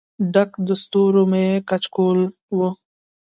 ډک د ستورو مې کچکول و